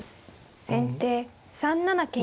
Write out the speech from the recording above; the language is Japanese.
先手３七桂馬。